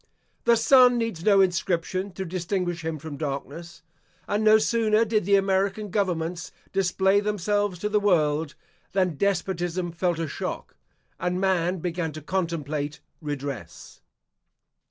The sun needs no inscription to distinguish him from darkness; and no sooner did the American governments display themselves to the world, than despotism felt a shock and man began to contemplate redress.